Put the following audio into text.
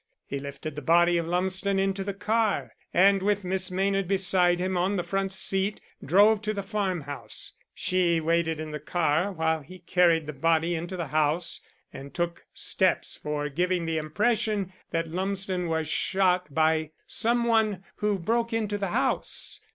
He lifted the body of Lumsden into the car, and with Miss Maynard beside him on the front seat, drove to the farmhouse. She waited in the car while he carried the body into the house, and took steps for giving the impression that Lumsden was shot by some one who broke into the house.